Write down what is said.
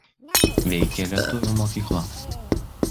Veikė lietuvių mokykla.